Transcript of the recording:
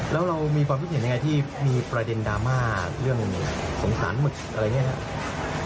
แล้วเรามีความคิดเห็นยังไงที่มีประเด็นดราม่าเรื่องสงสารหมึกอะไรอย่างนี้ครับ